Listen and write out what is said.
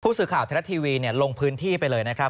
ผู้สื่อข่าวเทศทีวีลงพื้นที่ไปเลยนะครับ